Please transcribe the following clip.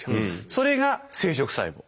それが生殖細胞。